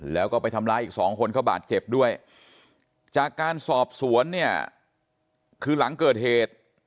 แล้วก็ไปทำร้ายอีกสองคนเขาบาดเจ็บด้วยจากการสอบสวนเนี่ยคือหลังเกิดเหตุ